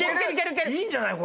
いいんじゃないの？